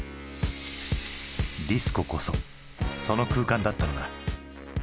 ディスコこそその空間だったのだ。